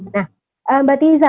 nah mbak tiza